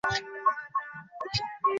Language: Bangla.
কন্ট্রাকটর আসা পর্যন্ত অপেক্ষা কর।